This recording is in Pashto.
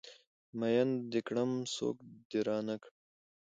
ميين د کړم سوک د رانه کړ